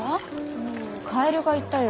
うんカエルがいたよ。